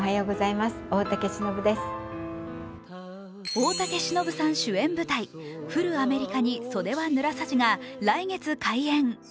大竹しのぶさん主演舞台「ふるあめりかに袖はぬらさじ」が来月開演。